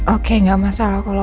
oke gak masalah kalo